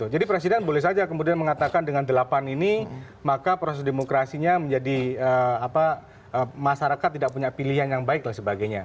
jadi presiden boleh saja kemudian mengatakan dengan delapan ini maka proses demokrasinya menjadi masyarakat tidak punya pilihan yang baik dan sebagainya